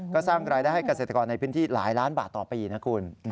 ก็สร้างรายได้ให้เกษตรกรในพื้นที่หลายล้านบาทต่อปีนะคุณ